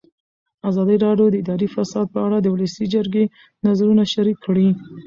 ازادي راډیو د اداري فساد په اړه د ولسي جرګې نظرونه شریک کړي.